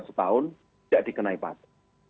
setahun tidak dikenai pajak